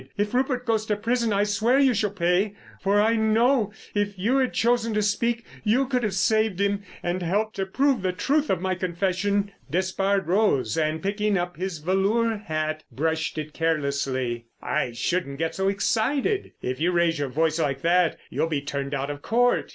"If Rupert goes to prison I swear you shall pay; for I know, if you had chosen to speak, you could have saved him, and helped to prove the truth of my confession." Despard rose, and picking up his velour hat, brushed it carelessly. "I shouldn't get so excited; if you raise your voice like that you'll be turned out of Court."